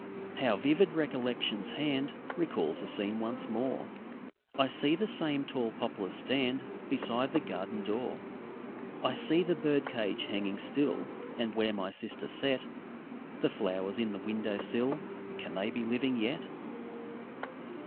How vivid Recollection's hand Recalls the scene once more! I see the same tall poplars stand Beside the garden door; I see the bird cage hanging still; And where my sister set The flowers in the window sill Can they be living yet?